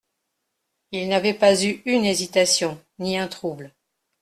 Il n'avait pas eu une hésitation ni un trouble.